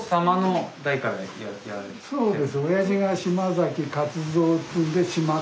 そうです。